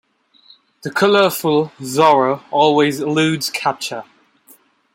The colorful Zorro always eludes capture.